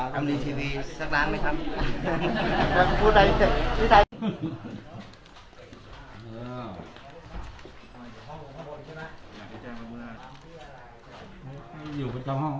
ทำนีทีวีสักละครั้งไหมครับ